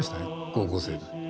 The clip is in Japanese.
高校生で。